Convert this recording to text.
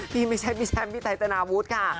พี่ไม่ใช่พี่แชมป์พี่ไทยธนาบุษค่ะ